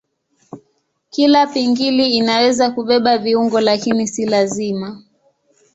Kila pingili inaweza kubeba viungo lakini si lazima.